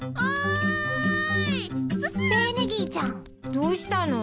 どうしたの？